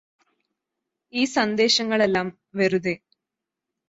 ഈ സന്ദേശങ്ങളെല്ലാം വെറുതെ